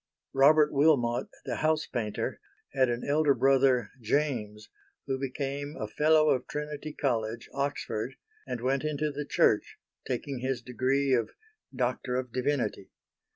Robert Wilmot, the house painter, had an elder brother James who became a Fellow of Trinity College, Oxford, and went into the Church, taking his degree of Doctor of Divinity.